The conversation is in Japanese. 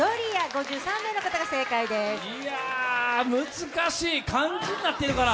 難しい、漢字になってるから。